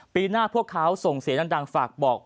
ปีหน้าพวกเขาส่งเสียงดังฝากบอก